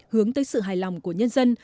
hướng tới sự hài lòng của nhân dân